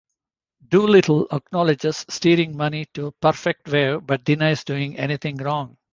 Doolittle acknowledges steering money to PerfectWave but denies doing anything wrong.